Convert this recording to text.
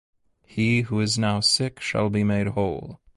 He who is now sick shall be made whole.